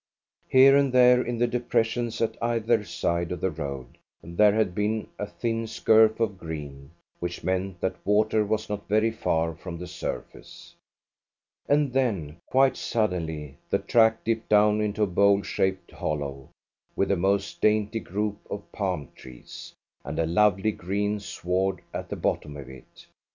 Here and there, in the depressions at either side of the road, there had been a thin scurf of green, which meant that water was not very far from the surface. And then, quite suddenly, the track dipped down into a bowl shaped hollow, with a most dainty group of palm trees, and a lovely green sward at the bottom of it.